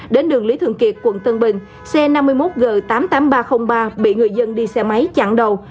đến đường lý thường kiệt quận tân bình xe năm mươi một g tám mươi tám nghìn ba trăm linh ba bị người dân đi xe máy chặn đầu